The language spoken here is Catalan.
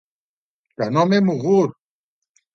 Que no m'he mogut!